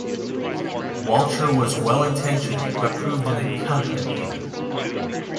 Walcher was well-intentioned but proved an incompetent leader.